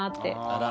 あら！